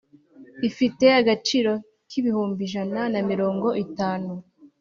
ifite agaciro k’ibihumbi ijana na mirongo itanu